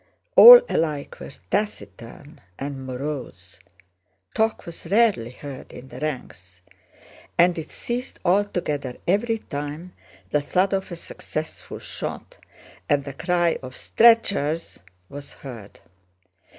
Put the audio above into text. All alike were taciturn and morose. Talk was rarely heard in the ranks, and it ceased altogether every time the thud of a successful shot and the cry of "stretchers!" was heard.